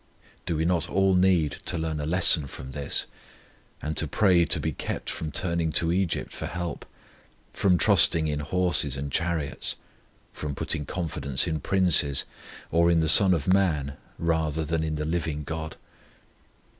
Do we not all need to learn a lesson from this? and to pray to be kept from turning to Egypt for help, from trusting in horses and chariots, from putting confidence in princes, or in the son of man, rather than in the living GOD?